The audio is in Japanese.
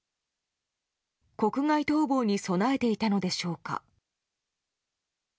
国外逃亡に備えていたのでしょうか。